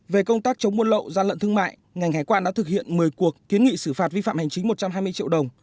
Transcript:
về công tác chống buôn lậu gian lận thương mại ngành hải quan đã thực hiện một mươi cuộc kiến nghị xử phạt vi phạm hành chính một trăm hai mươi triệu đồng